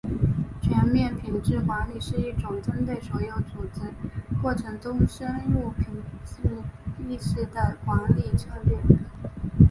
全面品质管理是一种针对所有组织过程中深入品质意识的管理策略。